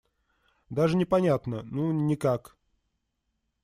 Даже не понятно: ну, никак.